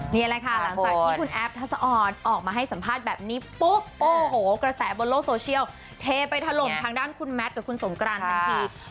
นี่แหละค่ะหลังจากที่คุณแอฟทัศออนออกมาให้สัมภาษณ์แบบนี้ปุ๊บโอ้โหกระแสบนโลกโซเชียลเทไปถล่มทางด้านคุณแมทกับคุณสงกรานทันที